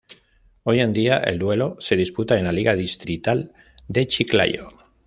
Hoy en día el duelo se disputa en la Liga Distrital de Chiclayo.